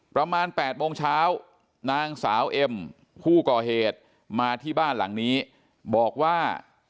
ประมาณ๘โมงเช้านางสาวเอ็มผู้ก่อเหตุมาที่บ้านหลังนี้บอกว่า